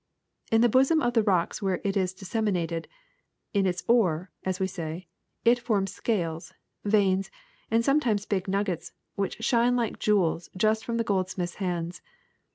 In the bosom of the rocks where it is disseminated — in its ore, as we say — it forms scales, veins, and sometimes big nuggets, which shine like jewels just from the goldsmith's hands.